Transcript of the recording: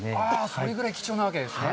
それぐらい貴重なわけですね。